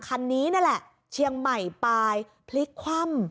คันนี้นั่นแหละเชียงใหม่ปลายพลิกคว่ำ